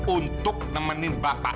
untuk nemenin bapak